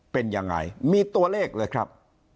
เป็นยังไงมีตัวเลขเลยครับ